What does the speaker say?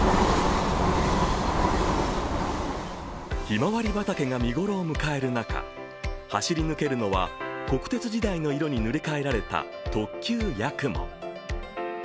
ひまわり畑が見頃を迎える中、走り抜けるのは国鉄時代の色に塗り替えられた特急やくも。